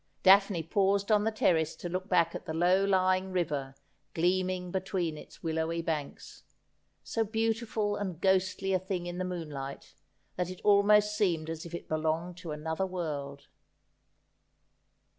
Daphne paused on the terrace to look back at the low lying river gleam ing between its willowy banks — so beautiful and ghostly a thing in the moonlight that it almost seemed as if it belonged to another world.